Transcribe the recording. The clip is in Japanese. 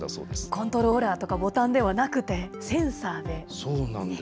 コントローラーとかボタンではなくて、センサーで。